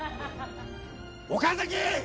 岡崎！